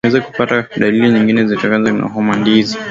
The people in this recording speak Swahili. unaweza kupatwa na dalili nyingine zitokanazo na homa hizi